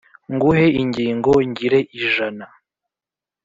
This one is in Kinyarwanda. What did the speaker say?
nguhe ingingo ngire ijana